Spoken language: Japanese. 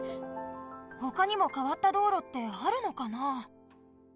ほかにもかわった道路ってあるのかな？